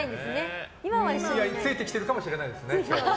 ついてきてるかもしれない。